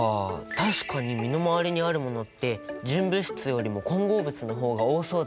確かに身の回りにあるものって純物質よりも混合物の方が多そうだね。